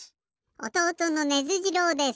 おとうとのネズ次郎です。